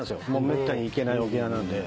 めったに行けない沖縄なんで。